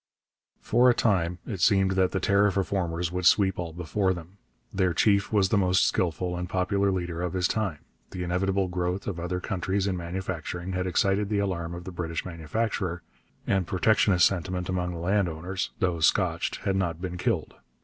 For a time it seemed that the tariff reformers would sweep all before them. Their chief was the most skilful and popular leader of his time. The inevitable growth of other countries in manufacturing had excited the alarm of the British manufacturer, and protectionist sentiment among the landowners, though scotched, had not been killed.